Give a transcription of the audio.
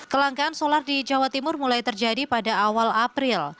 kelangkaan solar di jawa timur mulai terjadi pada awal april